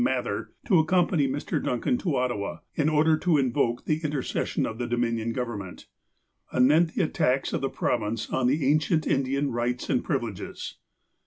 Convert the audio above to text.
Mather, to accompany Mr. Duncan to Ottawa, in order to invoke the intercession of the Dominion Government, anent the attacks of the Province on the ancient Indian rights and privileges.